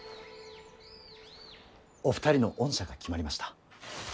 お二人の恩赦が決まりました。